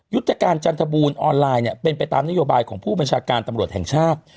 ยุทธการจันทบูรณ์ออนไลน์เนี่ยเป็นไปตามนโยบายของผู้บัญชาการตำรวจแห่งชาติ